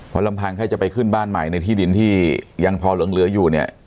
พอลำพังแค่จะไปขึ้นบ้านใหม่ในที่ดินที่ยังพอเหลืองเหลืออยู่เนี่ย